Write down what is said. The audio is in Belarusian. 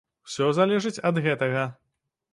Усё залежыць ад гэтага.